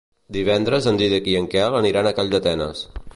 Divendres en Dídac i en Quel aniran a Calldetenes.